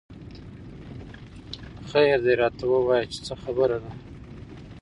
خېر دۍ راته وويه چې څه خبره ده